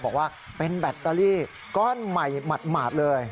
บอกว่าเป็นแบตเตอรี่ก้อนใหม่หมาดเลย